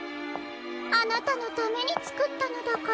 あなたのためにつくったのだから。